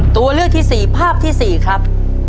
ตัวเลือกที่๔ภาพที่๔ครับ